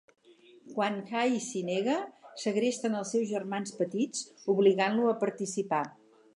Quan Hai s'hi nega, segresten els seus germans petits, obligant-lo a participar.